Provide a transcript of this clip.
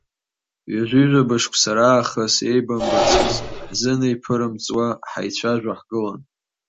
Ҩажәи жәаба шықәса раахыс еибамбацыз, ҳзеиԥырымҵуа ҳаицәажәо ҳгылан.